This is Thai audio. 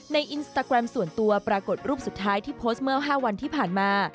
อินสตาแกรมส่วนตัวปรากฏรูปสุดท้ายที่โพสต์เมื่อ๕วันที่ผ่านมา